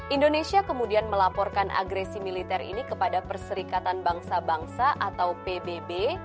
indonesia kemudian melaporkan agresi militer ini kepada perserikatan bangsa bangsa atau pbb